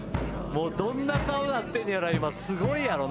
もうどんな顔なってんねやろ？